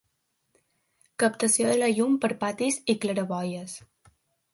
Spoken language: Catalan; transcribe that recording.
Captació de la llum per patis i claraboies.